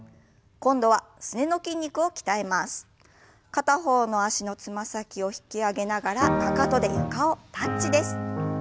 片方の脚のつま先を引き上げながらかかとで床をタッチです。